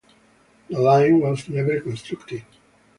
The line was never constructed.